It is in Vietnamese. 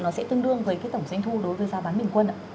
nó sẽ tương đương với tổng doanh thu đối với giá bán bình quân